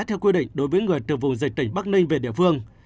theo quy định đối với người từ vùng dịch tỉnh bắc ninh về địa phương